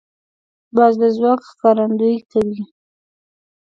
باز د ځواک ښکارندویي کوي